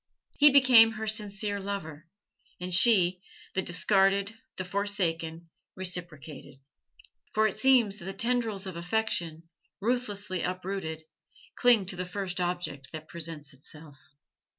He became her sincere lover; and she, the discarded, the forsaken, reciprocated; for it seems that the tendrils of affection, ruthlessly uprooted, cling to the first object that presents itself.